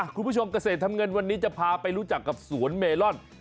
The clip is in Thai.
คุณผู้ชมเกษตรทำเงินวันนี้จะพาไปรู้จักกับสวนเมลอน